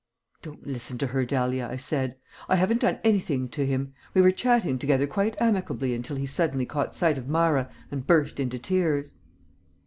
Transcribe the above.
"Don't listen to her, Dahlia," I said. "I haven't done anything to him. We were chatting together quite amicably until he suddenly caught sight of Myra and burst into tears."